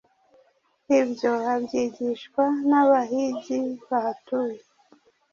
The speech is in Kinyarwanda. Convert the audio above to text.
ibyo abyigishwa n'abahigi bahatuye